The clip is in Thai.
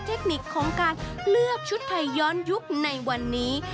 เทคนิคของการเลือกชุดไทยย้อนยุคในวันนี้